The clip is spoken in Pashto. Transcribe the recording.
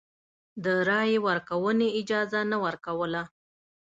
د رایې ورکونې اجازه نه ورکوله.